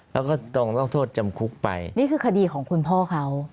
แล้วก็ต้องโทษจำคุกไปนี่คือคดีของคุณพ่อเขา